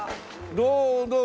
どうもどうも。